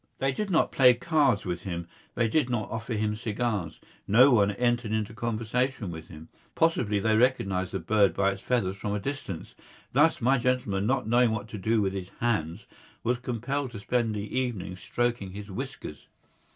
They did not play cards with him, they did not offer him cigars. No one entered into conversation with him. Possibly they recognised the bird by its feathers from a distance. Thus, my gentleman, not knowing what to do with his hands, was compelled to spend the evening stroking his whiskers.